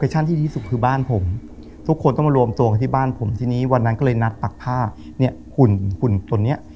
หุ่นตรงเนี้ย